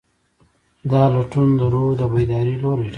دا لټون د روح د بیدارۍ لوری ټاکي.